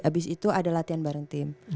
aku ada latihan bareng tim